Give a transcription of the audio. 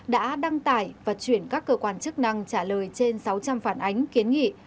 đã đăng tải và chuyển các cơ quan chức năng trả lời trên sáu trăm linh phản ánh kiến nghị